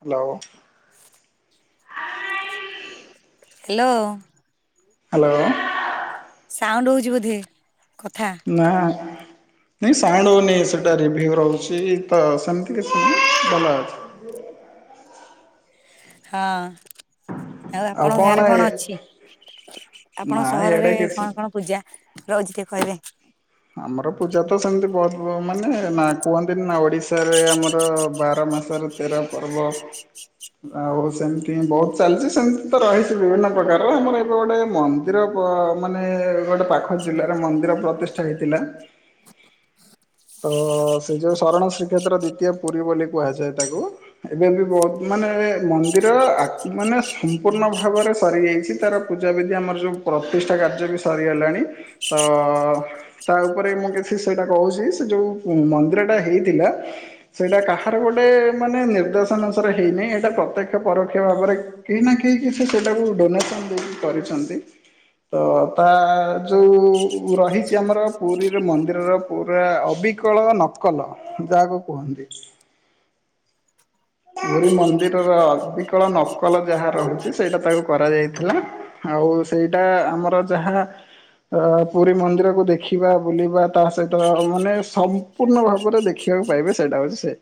Hello. Hello. Hello. Sound ହଉଚି ବୋଧେ କଥା ନା। ନାଇଁ ସାଇଣ୍ଡ ହେଉନି ସେଇଟା ରିଭ୍ୟୁ ରହୁଚି ତ ସେମିତି କିଛି ନାଇଁ ଭଲ ଅଛି। ହଁ ଆଉ ଆପଣଙ୍କ ଗାଁ ରେ କଣ ଅଛି? ନା ଆପଣ ଇଆଡେ ସହରରେ କିଛି କଣ କଣ ପୂଜା ରହୁଚି ଟିକେ କହିବେ? ଆମର ପୂଜା ତ ସେମିତି ବହୁତ ମାନେ ନା କୁହନ୍ତିନି ନା ଓଡିଶାରେ ଆମର ବାର ମାସରେ ତେର ପର୍ବ। ଆଉ ସେମିତି ବହୁତ ଚାଲିଚି ସେମିତି ତ ରହିଚି ବିଭିନ୍ନ ପ୍ରକାରର। ଆମର ଏବେ ଗୋଟେ ମ ମନ୍ଦିର ମାନେ ଗୋଟେ ପାଖ ଜିଲ୍ଲାରେ ମନ୍ଦିର ପ୍ରତିଷ୍ଠା ହେଇଥିଲା। ତ ସେ ଯୋଉ ଶରଣ ଶ୍ରୀକ୍ଷେତ୍ର ଦ୍ଵିତୀୟ ପୁରୀ ବୋଲି କୁହାଯାଏ ତାକୁ। ଏବେ ବି ବହୁତ ମାନେ ମନ୍ଦିର ଆ ମାନେ ସମ୍ପୂର୍ଣ୍ଣ ଭାବରେ ସରି ଯାଇଛି ତାର ପୂଜା ବିଧି ଆମର ଯୋଉ ପ୍ରତିଷ୍ଠା କାର୍ଯ୍ୟ ବି ସରିଗଲାଣି ତ ତା ଉପରେ ମୁଁ କିଛି ସେଇଟା କହୁଚି। ସେ ଯଉ ମନ୍ଦିରଟା ହେଇଥିଲା ସେଇଟା କାହାର ଗୋଟେ ମାନେ ନିର୍ଦ୍ଦେଶ ଅନୁସାରେ ହେଇନେଇଁ। ଏଇଟା ପ୍ରତ୍ୟକ୍ଷ ପରୋକ୍ଷ ଭାବରେ କେହି ନା କେହିକି ସେ ସେଟାକୁ ଡୋନେସନ ଦେଇକି କରିଛନ୍ତି। ତ ତା ଯୋଉ ରହିଚି କି ଆମର ପୁରୀର ମନ୍ଦିରର ପୁରା ଅବିକଳ ନକଲ ଯାହାକୁ କୁହନ୍ତି। ପୁରୀ ମନ୍ଦିରର ଅବିକଳ ନକଲ ଯାହା ରହୁଚି ସେଇଟା ତାକୁ କରାଯାଇଥିଲା। ଆଉ ସେଇଟା ଆମର ଯାହା ଅ ପୁରୀ ମନ୍ଦିରକୁ ଦେଖିବା ବୁଲିବା ତା ସହିତ ମାନେ ସମ୍ପୂର୍ଣ୍ଣ ଭାବରେ ଦେଖିବାକୁ ପାଇବେ ସେଇଟା ହେଉଚି ସେ।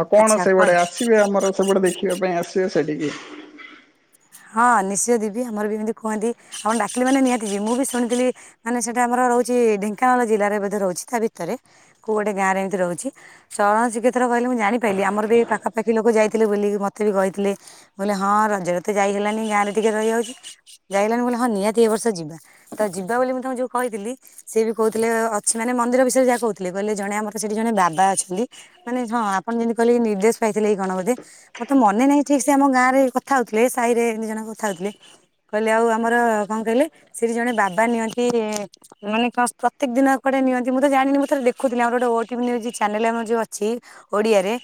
ଆଉ କଣ ଆଚ୍ଛା ସେଇଭଡେ ଆସିବେ ଆମର ସେପଟେ ଦେଖିବା ପାଇଁ ଆସିବେ ସେଠିକି। ହଁ ନିଶ୍ଚିତ ଦିବି ଆମର ବି ଏମିତି କୁହନ୍ତି ଆପଣ ଡାକିଲି ମାନ ନିହାତି ଯେ ମୁଁ ବି ଶୁଣିଥିଲି ମାନେ ସେଟା ଆମର ରହୁଚି ଢେଙ୍କାନାଳ ଜିଲ୍ଲାରେ ବୋଧେ ରହୁଚି ତା ଭିତରେ। କୁ ଗୋଟେ ଗାଁ ରେଏମିତି ରହୁଛି [unintelligible] [unintelligible] କହିଲେ ମୁଁ ଜାଣିପାରିଲି ଆମର ବି ପାଖାପଖି ଲୋକ ଯାଇଥିଲେ ବୁଲି ମତେ ବି କହିଥିଲେ ହଁ ରଜ ଯାଇ ହେଲାନି ଗାଁରେ ଟିକେ ରହିଯାଉଛି ଯାଇ ହେଲାନି ହଁ ନିହାତି ଏ ବର୍ଷ ଯିବା। ତା ଯିବା ବୋଲି ମୁଁ ତାଙ୍କୁ ଯୋଉ କହିଥିଲି। ସିଏ ବି କହୁଥିଲେ ଅଛି ମାନେ ମନ୍ଦିର ବିଷୟରେ ଯାହା କହୁଥିଲେ କହିଲେ ଜଣେ ଆମର ସେଠି ଜଣେ ବାବା ଅଛନ୍ତି। ମାନେ ହଁ ଆପଣ ଯେମିତି କହିଲେ ନିର୍ଦ୍ଦେଶ ପାଇଥିଲେ ଏଇ କଣ ବୋଧେ। ମୋର ମନେ ନାହିଁ ଠିକ ସେ ଆମ ଗାଁରେ କଥା ଥିଲେ ସାହି ରେ ଏମିତି ଜଣେ କଥା ହେଉଥିଲେ। କହିଲେ ଆଉ ଆମର କଣ କହିଲେ ସେଠି ଜଣେ ବାବା ନିଅନ୍ତି ମାନେ ଶ ପ୍ରତ୍ୟକ ଦିନ କୁଆଡେ ନିଅନ୍ତି ମୁଁ ତ ଜାଣିନି ମୁଁ ଦେଖୁଥିଲି ଆମର ଗୋଟେ O T V news channel ଆମର ଯୋଉ ଅଛି। ଓଡିଆରେ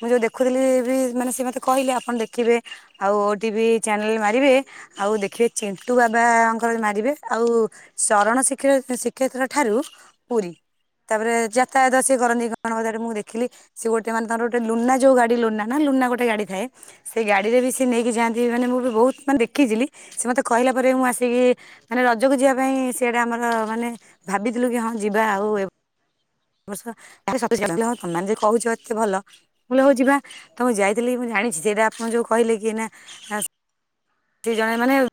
ମୁଁ ଯୋଉ ଦେଖୁଥିଲି ବି ମାନେ ସେ ମତେ କହିଲେ ଆପଣ ଦେଖିବେ ଆଉ ଓ ଟିଭି ଚ୍ୟାନେଲ ମାରିବେ ଆଉ ଦେଖିବେ ଚିଣ୍ଟୁ ବାବାଙ୍କର ମାରିବେ ଆଉ ଶରଣ ଶ୍ରୀ କ୍ଷେଳ ଶ୍ରୀକ୍ଷେତ୍ର ଠାରୁ ପୁରୀ। ତାପରେ ଯାତାୟାତ ସେ କରନ୍ତି କଣ ବୋଧେ ମୁଁ ଦେଖିଲି। ସେ ଗୋଟେ ମାନେ ତାଙ୍କର ଲୁନା ଯୋଉ ଗାଡି ଲୁନା ନା ଲୁନା ଗୋଟେ ଗାଡି ଥା ସେ ଗାଡି ରେ ବି ସେ ନେଇକି ଯାଆନ୍ତି ମାନେ ମୁଁ ବି ବହୁତ ମାନେ ଦେଖିଥିଲି ସେ ମୋତେ କହିଲା ପରେ ମୁଁ ଆସିକି ମାନେ ରଜକୁ ଯିବା ପାଇଁ ସେଟା ଆମର ମାନେ ଭାବିଥିଲୁ କି ହଁ ଯିବା ଆଉ ଏ ବର୍ଷ [unintelligible] ତମେ ଯଦି କହୁଛ ଏତେ ଭଲ। ମୁଁ କହିଲି ହଉ ଯିବା। ତ ମୁଁ ଯାଇଥିଲି ମୁଁ ଜାଣିଛି ସେଇଟା ଆପଣଙ୍କୁ ଯୋଉ କହିଲେ କି ନା ସେ ଜଣେ ମାନେ [inaudible]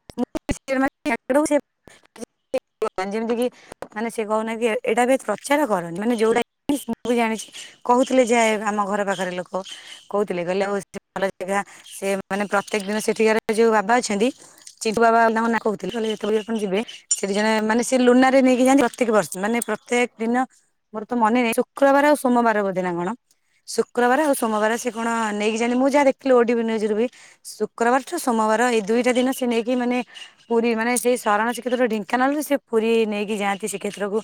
ଯେମିତିକି ମାନେ ସେ କହୁନା କି ଏଇଟା ବି ପ୍ରଚାର କରନି ମାନେ ଯୋଉଟା [inaudible] ଜାଣିଛି। କହୁଥିଲେ ଯେ ଆମ ଘର ପାଖରେ ଲୋକ। କହୁଥିଲେ କହିଲେ ଆଉ ଭଲ ଜାଗା ସେ ମାନେ ପ୍ରତ୍ୟେକ ଦିନ ସେଠିକ ଯୋଉ ବାବା ଛନ୍ତି ଚିଣ୍ଟୁ ବାବା ତାଙ୍କ ନା କହୁଥିଲେ ଯେତେବେଳେ ଆପଣ ଯିବେ ସେଠି ଜଣେ ମାନେ ସେ ଲୁନା ରେ ନେଇକି ଯାଆନ୍ତି ପ୍ରତ୍ୟେକ ବର୍ଷ ମାନେ ପ୍ରତ୍ୟେକ ଦିନ ମୋର ତ ମନେ ନାହିଁ ଶୁକ୍ରବାର ଆଉ ସୋମବାର ବୋଧେ ନା କଣ। ଶୁକ୍ରବାର ଆଉ ସୋମବାର ସେ କଣ ନେଇକି ଯାଆନ୍ତି ମୁଁ ଯାହା ଦେଖିଲି ଓ ଟିଭି ନ୍ୟୁଜ ରୁ ବି ଶୁକ୍ରବାର ଠୁ ସୋମବାର ଏଇ ଦୁଇଟା ଦିନ ସେ ନେଇକି ମାନେ ପୁରୀ ମାନେ ସେଇ ଶରଣ ଶ୍ରୀକ୍ଷେତ୍ରରୁ ଢ଼େଙ୍କାନାଳ ରୁ ସେ ପୁରୀ ନେଇକି ଯାଆନ୍ତି ସେ ଶ୍ରୀ କ୍ଷେତ୍ରକୁ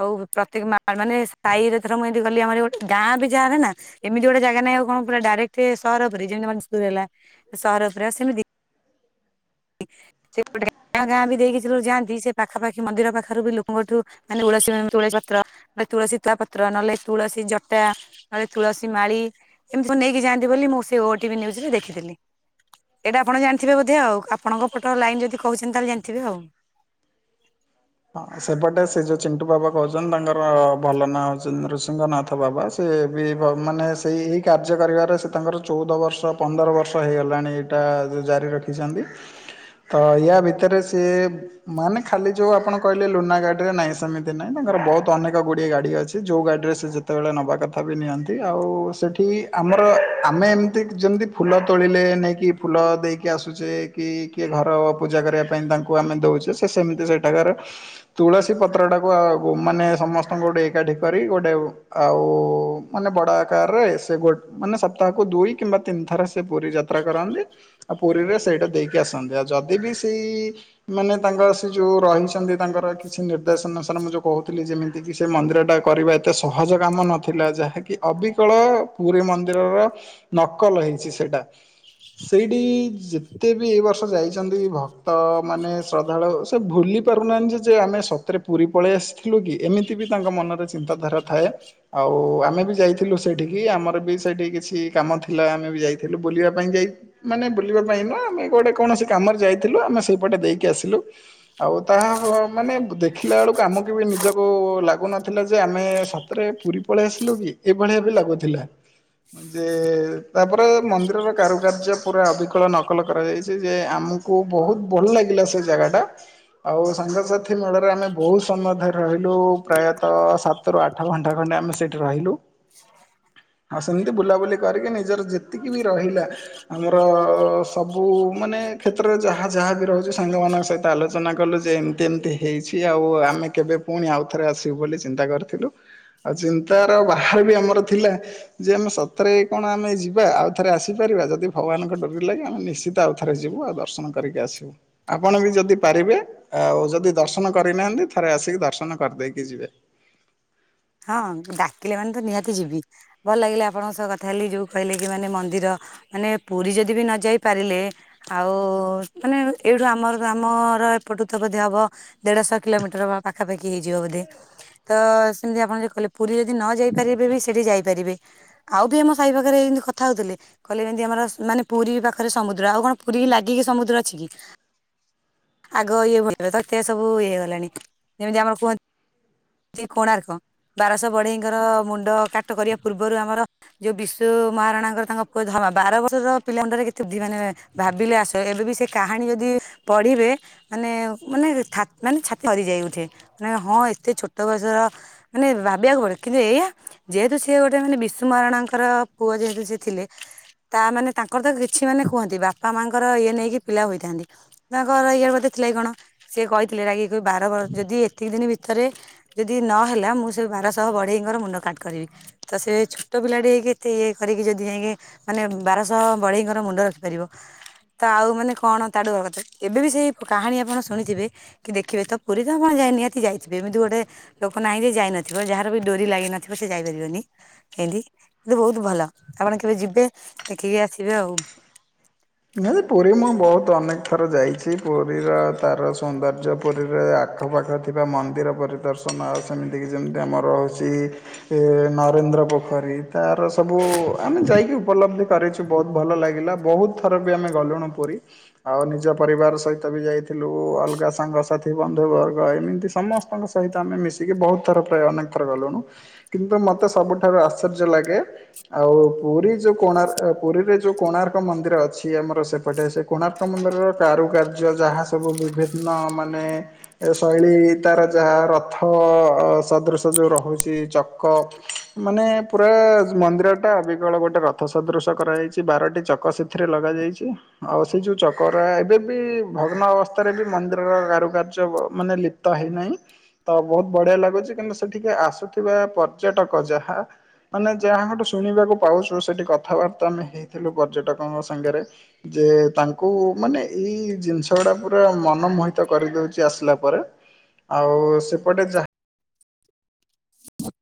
ଆଉ ପ୍ରତ୍ୟକ ମା ମାନେ ସାହିରେ ଥର ମୁଁ ଗଲି ଆମର ଗୋଟେ ଗାଁ ବି ଯାଣେନା ଏମିତି ଗୋଟେ ଜାଗା ନାାଇଁ ଆଉ କଣ ପିଲ ଡାଇରେକ୍ଟ ସହର ଉପରେ ଯେମିତି [unintelligible] ହେଲା ସହର ଉପରେ ଆଉ ସେମିତି। ସେ ଗୋଟେ ଗାଁ ଗାଁ ବି ଦେଇକି ଭୀତରକୁ ଯାଆନ୍ତି ସେ ପାଖାପାଖି ମନ୍ଦିର ପାଖରୁ ବି ଲୋକଙ୍କଠୁ ମାନେ ତୁଳସୀ ମ ତୁଳସୀ ପତ୍ର ନହଲେ ତୁଳସୀ ତ ପତ୍ର ନହେଲେ ତୁଳସୀ ଜଟା ନ ହେଲେ ତୁଳସୀ ମାଳି ଏମିତି ସବୁ ନେଇକି ଯାଆନ୍ତି ବୋଲି ମୁଁ ସେ ଓଟିଭି ନ୍ନ୍ଯୂଜରେ ଦେଖିଥିଲି। ଏଇଟା ଆପଣ ଜାଣିଥିବେ ବୋଧେ ଆଉ ଆପଣଙ୍କ ପଟ ଲାଇନ ଯଦି କହୁଛନ୍ତି ତାହେଲେ ଜାଣିଥିବେ ଆଉ। ହଁ ସେପଟେ ସେ ଯୋଉ ଚିଣ୍ଟୁ ବାବା କହୁଛନ୍ତି ତାଙ୍କର ଭଲ ନାଁ ହଉଛନ୍ତି ନୃସିଂହ ନାଥ ବାବା। ସେ ବି ମାନେ ସେଇ ଏହି କାର୍ଯ୍ୟ କରିବାରେ ସେ ତାଙ୍କର ଚଉଦ ବର୍ଷ ପନ୍ଦର ବର୍ଷ ହେଇଗଲାଣି। ସେଟା ତ ଜାରି ରଖିଛନ୍ତି। ତ ୟା ଭିତରେ ସିଏ ମାନେ ଖାଲି ଯୋଉ ଆପଣଙ୍କ କହିଲି ଲୁନା ଗାଡି ରେ ନାଇଁ ସେମିତି ନାଇଁ ତାଙ୍କର ବହୁତ ଅନେକ ଗୁଡିଏ ଗାଡି ଅଛି ଯୋଉ ଗାଡିରେ ସେ ଯେତେବେଳେ ନେବା କଥା ବି ନିଅନ୍ତି ଆଉ ସେଠି ଆମର ଆମେ ଏମିତି ଯେମିତି ଫୁଲ ତୋଳିଲେ ନେଇକି ଫୁଲ ଦେଇକି ଆସୁଛେ କି କିଏ ଘର ପୂଜା କରିବା ପାଇଁ ତାଙ୍କୁ ଆମେ ଦେଉଛେ ସେ ସେମିତି ସେଠାକାର ତୁଳସୀ ପତ୍ରଟାକୁ ଆଉ ମାନେ ସମସ୍ତଙ୍କୁ ଗୋଟେ ଏକାଠି କରି ଗୋଟେ ଆଉ ମାନେ ବଡ ଆକାରରେ ସେ ଗୋଟ ମାନେ ସପ୍ତାହକୁ ଦୁଇ କିମ୍ବା ତିନି ଥର ସେ ପୁରୀ ଯାତ୍ରା କରାନ୍ତି ଆ ପୁରୀରେ ସେଇଟା ଦେଇକି ଆସନ୍ତି ଆଉ ଯଦି ବି ସେଇ ମାନେ ତାଙ୍କ ସେ ଯୋଉ ରହିଛନ୍ତି ତାଙ୍କର କିଛି ନିର୍ଦ୍ଦେଶ ଅନୁସାରେ ମୁଁ ଯେଉଁ କହୁଥିଲି ଯେମିତିକି ସେ ମନ୍ଦିରଟା କରିବା ଏତେ ସହଜ କାମ ନଥିଲା ଯାହାକି ଅବିକଳ ପୁରୀ ମନ୍ଦିରର ନକଲ ହେଇଛି ସେଇଟା। ସେଇଠି ଯେତେ ବି ଏ ବର୍ଷ ଯାଇଛନ୍ତି ଭକ୍ତମାନେ ଶ୍ରଦ୍ଧାଳୁ ସେ ଭୁଲିପାରୁ [unintelligible] ଆମେ ସତରେ ପୁରୀ ପଳେଇ ଆସିଥିଲୁ କି ଏମିତି ବି ତାଙ୍କ ମନରେ ଚିନ୍ତାଧାରା ଥାଏ। ଆଉ ଆମେ ବି ଯାଇଥିଲୁ ସେଇଠିକି ଆମର ବି ସେଇଠି କିଛି କାମ ଥିଲା ଆମେ ବି ଯାଇଥିଲୁ ବୁଲିବା ପାଇଁ ଯାଇ ମାନେ ବୁଲିବା ପାଇଁ ନୁହଁ ଆମେ ଗୋଟେ କୌଣସି କାମରେ ଯାଇଥିଲୁ ଆମେ ସେଇପଟେ ଦେଇକି ଆସିଲୁ ଆଉ ତାହା ହ ମାନେ ଦେଖିଲା ଅଳୁକୁ ଆମକୁ ବି ନିଜକୁ ଲାଗୁନଥିଲା ଯେ ଆମେ ସତରେ ପୁରୀ ପଳେଇ ଆସିଲୁ କି ଏଭଳିଆ ବି ଲାଗୁଥିଲା। ଯେ ତାପରେ ମନ୍ଦିରର କାରୁକାର୍ଯ୍ୟ ପୁରା ଅବିକଳ ନକଲ କରାଯାଇଚି ଯେ ଆମୁ କୁ ବୋହୁତ୍ ଭଲ ଲାଗିଲା ସେ ଜାଗାଟା। ଆଉ ସାଙ୍ଗସାଥି ମେଳରେ ଆମେ ବୋହୁ ସମୟ ଧରି ରହିଲୁ ପ୍ରାୟତଃ ସା ତରୁ ଆଠ ଘଣ୍ଟା ଖଣ୍ଡେ ଆମେ ସେଇଠି ରହିଲୁ। ହଁ ହଁ ସେମିତି ବୁଲାବୁଲି କରିକି ନିଜର ଯେତିକି ବି ରହିଲା ଆମର ସବୁ ମାନେ କ୍ଷେତ୍ରରେ ଯାହା ଯାହା ବି ରହୁଚି ସାଙ୍ଗମାନଙ୍କ ସହିତ ଆଲୋଚନା କଲୁ ଯେ ଏମତି ଏମତି ହେଇଛି ଆଉ ଆମେ କେବେ ପୁଣି ଆଉଥରେ ଆସିବୁ ବୋଲି ଚିନ୍ତା କରିଥିଲୁ। ଆଉ ଚିନ୍ତାର ବାହାର ବି ଆମର ଥିଲା। ଯେ ଆମେ ସତରେ କଣ ଆମେ ଯିବା ଆଉ ଥରେ ଆସିପାରିବା ଯଦି ଭଗବାନଙ୍କ ଡୋରି ଲାଗେ ଆମେ ନିଶ୍ଚି ତ ଆଉ ଥରେ ଯିବୁ ଆଉ ଦର୍ଶନ କରିକି ଆସିବୁ ଆପଣ ବି ଯଦି ପାରିବେ ଆଉ ଯଦି ଦର୍ଶନ କରିନାହାନ୍ତି ଥରେ ଆସିକି ଦର୍ଶନ କରିଦେଇକି ଯିବେ। ହଁ ଡାକିଲେ ମାନେ ତ ନିହାତି ଯିବି ଭଲ ଲାଗିଲା ଆପଣଙ୍କ ସହ କଥା ହେଲି ଯୋଉ କହିଲେ କି ମାନେ ମନ୍ଦିର ମାନେ ପୁରୀ ଯଦି ବି ନ ଯାଇ ପାରିଲେ ଆଉ ମାନେ ଏଇଠୁ ଆମର ଆମର ଏପଟୁ ତ ବୋଧେ ହବ ଦେଢ଼ଶହ କିଲୋମିଟର୍ ପାଖାପାଖି ହେଇଯିବ ବୋଧେ ତ ସେମିତି ଆପଣ ଯୋଉ କହିଲେ ପୁରୀ ଯଦି ନ ଯାଇ ପାରିବେ ବି ସେଠି ଯାଇପାରିବେ। ଆଉ ବି ଆମ ସାହି ପାଖରେ ଏନ୍ତି କଥା ହଉଥୁଲେ। କହିଲେ ଯେନ୍ତି ଆମର ମାନେ ପୁରୀ ପାଖରେ ସମୁଦ୍ର ଆଉ କଣ ପୁରୀକି ଲାଗିକି ସମୁଦ୍ର ଅଛି କି? ଆଗ ଇଏ ଭଲରେ ତ ଏତେ ସବୁ ଇଏ ଗଲାଣି ଯେମିତି ଆମର କୁହ ତି କୋଣାର୍କ ବାରଶହ ବଢେଇଙ୍କର ମୁଣ୍ଡ କାଟ କରିବା ପୂର୍ବରୁ ଆମର ଯୋଉ ବିଶୁ ମହାରାଣାଙ୍କର ତାଙ୍କ ପୁଅ ଧରମା ବାର ବର୍ଷର ପିଲା ମୁଣ୍ଡରେ କେତେ ଦ୍ଧି ମାନେ ଭାବିଲେ ଆସ ଏବେ ବି ସେ କାହାଣୀ ଯଦି ପଢ଼ିବେ ମାନେ ମାନେ ମାନେ ଥା ଛାତି ଥରି ଯାଇ ଉଠେ ନେ ହଁ ଏତେ ଛୋଟ ବୟସର ମାନେ ଭାବିବାକୁ ପଡ଼ିଅ କିନ୍ତୁ ଏଇଆ ଯେହେତୁ ସିଏ ଗୋଟେ ମାନେ ବିଶୁ ମହାରଣାଙ୍କର ପୁଅ ଯେହେତୁ ସେ ଥିଲେ ତା ମାନେ ତାଙ୍କର ତ କିଛି ମାନେ କୁହନ୍ତି ବାପା ମାଙ୍କର ଇଏ ନେଇକି ପିଲା ହୋଇଥାନ୍ତି। ତାଙ୍କର ଇଏ ବଧେ ଥିଲା କି କଣ ସିଏ କହିଥିଲେ ରାଗି ଖୋଇ ବାର ବା ଯଦି ଏତିକି ଦିନ ଭିତରେ ଯଦି ନହେଲା ମୁଁ ସେ ବାରଶହ ବଢ଼େଇଙ୍କର ମୁଣ୍ଡ କାଟ କରିବି। ତ ସେ ଛୋଟ ପିଲା ଟି ହେଇକି ଏତେ ଇଏ କରିକି ଯଦି ଯାଇଁକି ମାନେ ବାରଶହ ବଢ଼େଇଙ୍କର ମୁଣ୍ଡ ରଖିପାରିବ ତ ଆଉ ମାନେ କଣ ତାଠୁ ଭଗତେ ଏବେ ବି ସେଇ କାହାଣୀ ଆପଣ ଶୁଣିଥିବେ। କି ଦେଖିବେ ତ ପୁରୀ ତ ଆପଣ ଯାଇ ନିହାତି ଯାଇଥିବେ ଏମିତି ଗୋଟେ ଲୋକ ନାହିଁ ଯେ ଯାଇନ ଥିବ ଯାହାର ବି ଡୋରି ଲାଗି ନଥିବ ସେ ଯାଇପାରିବନି। ଇନ୍ତି କିନ୍ତୁ ବୋହୁତ ଭଲ ଆପଣ କେବେ ଯିବେ ଦେଖିକି ଆସିବେ ଆଉ। ନାଁ ପୁରୀ ମୁଁ ବହୁତ ଅନେକ ଥର ଯାଇଚି ପୁରୀର ତାର ସୌନ୍ଦର୍ଯ୍ୟ ପୁରୀରେ ଆଖପାଖ ଥିବା ମନ୍ଦିର ପରିଦର୍ଶନ ଆଉ ସେମିତିକି ଯେମିତି ଆମର ହୋଉଚି ଏ ନରେନ୍ଦ୍ର ପୋଖରୀ ତାର ସବୁ ଆମେ ଯାଇକି ଉପଲବ୍ଧି କରେଚ୍ ବହୁତ ଭଲ ଲାଗିଲା ବହୁତ ଥର ବି ଆମେ ଗଲୁଣୁ ପୁରୀ। ଆଉ ନିଜ ପରିବାର ସହିତ ବି ଯାଇଥିଲୁ ଅଲଗା ସାଙ୍ଗସାଥି ବନ୍ଧୁବର୍ଗ ଏମିତି ସମସ୍ ଆପଣଙ୍କ ସହିତ ଆମେ ମିଶିକି ବହୁତ ଥର ପ୍ରାୟ ଅନେକ ଥର ଗଲୁଣୁ। କିନ୍ତୁ ମୋତେ ସବୁଠାରୁ ଆଶ୍ଚର୍ଯ୍ୟ ଲାଗେ ଆଉ ପୁରୀ ଯୋଉ କୋଣାର୍ ଏ ପୁରୀରେ ଯୋଉ କୋଣାର୍କ ମନ୍ଦିର ଛି ଆମର ସେପଟେ ସେ କୋଣାର୍କ ମନ୍ଦିରର କାରୁକାର୍ଯ୍ୟ ଯାହା ସବୁ ବିଭିନ୍ନ ମାନେ ଏ ଶୈଳୀ ତାର ଯାହା ରଥ ସଦୃଶ ଯୋଉ ରହୁଚି ଚକ ମାନେ ପୁରା ମନ୍ଦିରଟା ଅବିକଳ ଗୋଟେ ରଥ ସଦୃଶ କରାଯାଇଚି ବାରଟି ଚକ ସେ ସେଥିରେ ଲଗାଯାଇଛି। ଆଉ ସେଇ ଯୋଉ ଚକରା ଏବେ ବି ଭଗ୍ନ ଅବସ୍ଥାରେ ବି ମନ୍ଦିରର କାରୁକାର୍ଯ୍ୟ ବ ମାନେ ଲି ପ୍ତ ହେଇନାହିଁ ତ ବହୁତ ବଢିଆ ଲାଗୁଛି କିନ୍ତୁ ସେଠିକି ଆସୁଥିବା ପର୍ଯ୍ୟଟକ ଯାହା ମାନେ ଯାହାଠୁ ଶୁଣିବାକୁ ପାଉଛୁ ସେଠି କଥାବାର୍ତ୍ତା ଆମେ ହେଇଥିଲୁ ପର୍ଯ୍ୟଟକଙ୍କ ସାଙ୍ଗରେ। ଯେ ତାଙ୍କୁ ମାନେ ଏଇ ଜିନିଷ ଗୁଡା ପୁରା ମନମୋହିତ କରିଦଉଛି ଆସିଲା ପରେ। ଆଉ ସେପଟେ ଯାହା